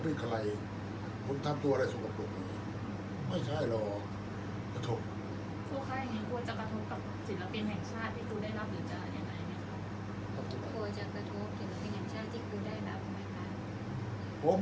อันไหนที่มันไม่จริงแล้วอาจารย์อยากพูด